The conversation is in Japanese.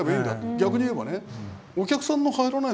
逆に言えばね